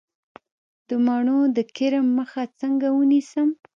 د مڼو د کرم مخه څنګه ونیسم؟